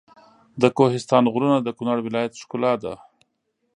د کوهستان غرونه د کنړ ولایت ښکلا ده.